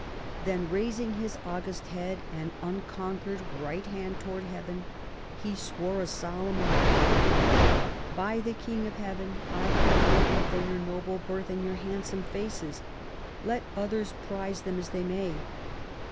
Then, raising his august head and uncon quered right hand towards heaven, he swore a solemn oath, " By the King of Heaven, I care noth ing for your noble birth and your handsome faces, let others prize them as they may.